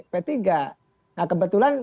p tiga nah kebetulan